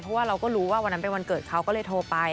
เพราะว่าเราก็รู้ว่าวันนั้นเป็นวันเกิดเขาก็เลยโทรไป